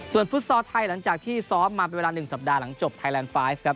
ส่วนฟุตซอลไทยหลังจากที่ซ้อมมาเป็นเวลา๑สัปดาห์หลังจบไทยแลนด์ไฟล์ฟครับ